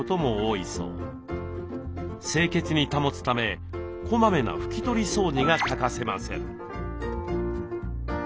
清潔に保つためこまめな拭き取り掃除が欠かせません。